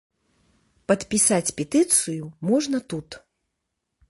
Падпісаць петыцыю можна тут.